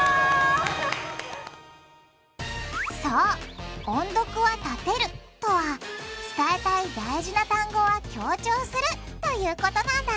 そう「音読はたてる」とは伝えたい大事な単語は強調するということなんだ。